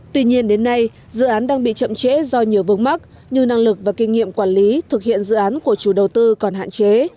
tuy nhiên đến nay dự án đang bị chậm trễ do nhiều vướng mắt như năng lực và kinh nghiệm quản lý thực hiện dự án của chủ đầu tư còn hạn chế